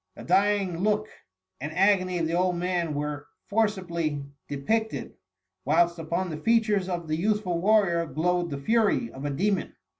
The dying look and agony of the old man were for cibly depicted, whilst upon the features of the youthful warrior glowed the fury of a demon.